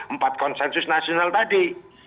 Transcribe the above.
empat konsensus nasional tadi